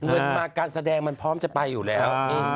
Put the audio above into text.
เงินมาการแสดงมันพร้อมจะไปอยู่แล้ว